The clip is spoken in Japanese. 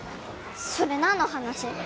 それ何の話？